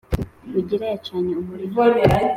rugira yacanye umuriro